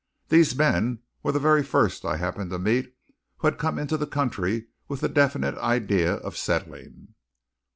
These men were the very first I happened to meet who had come into the country with a definite idea of settling.